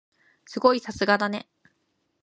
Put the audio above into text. すごい！さすがだね。